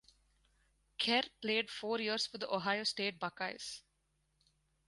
Kerr played four years for the Ohio State Buckeyes.